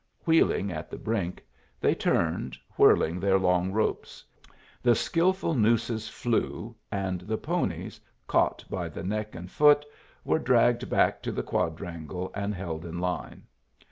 Wheeling at the brink, they turned, whirling their long ropes. The skilful nooses flew, and the ponies, caught by the neck and foot, were dragged back to the quadrangle and held in line.